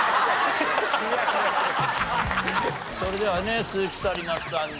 それではね鈴木紗理奈さんですが。